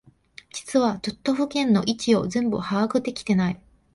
実は都道府県の位置を全部把握できてない